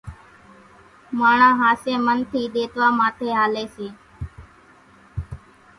ماڻۿان ۿاسي منَ ٿي ۮيتوا ماٿي ھالي سي